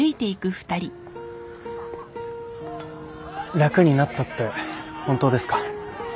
楽になったって本当ですか？